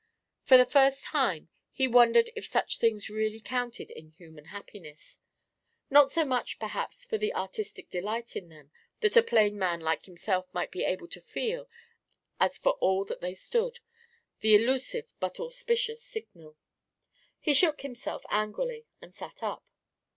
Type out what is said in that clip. For the first time he wondered if such things really counted in human happiness not so much, perhaps, for the artistic delight in them that a plain man like himself might be able to feel as for all that they stood: the elusive but auspicious signal. He shook himself angrily and sat up.